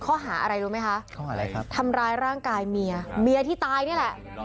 ขอหาอะไรรู้ไหมคะทำร้ายร่างกายเมียเมียที่ตายเนี่ยแหละ